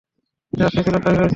যা চেয়েছিলাম তাই হয়েছে।